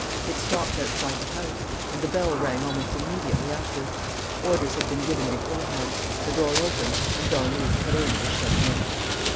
It stopped outside the house; and the bell rang almost immediately after. Orders had been given beforehand. The door opened and Don Luis Perenna was shown in.